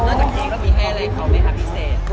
นอกจากเค้กก็มีให้อะไรไม่ครับมีเสน